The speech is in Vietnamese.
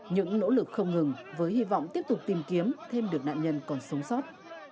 những nỗ lực không ngừng với hy vọng tiếp tục tìm kiếm thêm được nạn nhân còn sống sót